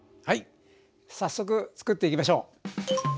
はい早速つくっていきましょう。